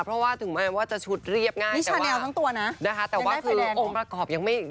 เพราะว่าถึงแม้ว่าจะชุดเรียบง่าย